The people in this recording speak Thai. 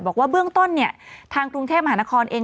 บอกว่าเบื้องต้นเนี่ยทางกรุงเทพมหานครเอง